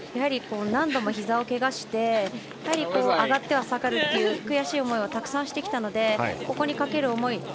何度もひざをけがして上がっては下がるっていう悔しい思いをたくさんしてきたのでここにかける思い。